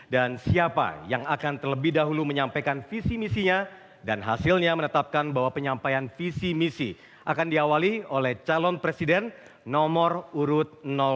dan siapa yang akan terlebih dahulu menyampaikan visi misinya dan hasilnya menetapkan bahwa penyampaian visi misi akan diawali oleh calon presiden nomor urut dua